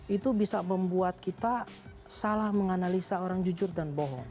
itu bisa membuat kita salah menganalisa orang jujur dan bohong